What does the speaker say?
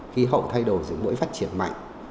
khí hậu thay đổi giữa mỗi phát triển mạnh